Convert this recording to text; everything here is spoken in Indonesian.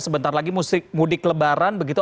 sebentar lagi mudik lebaran begitu